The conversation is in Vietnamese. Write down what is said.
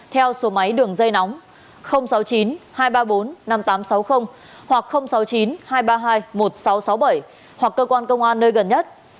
theo số máy đường dây nóng sáu mươi chín hai trăm ba mươi bốn năm nghìn tám trăm sáu mươi hoặc sáu mươi chín hai trăm ba mươi hai một nghìn sáu trăm sáu mươi bảy hoặc cơ quan công an nơi gần nhất